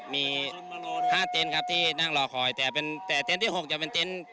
มีห้าเต้นครับที่นั่งรอคอยแต่เป็นแต่เต้นที่หกจะเป็นเต้น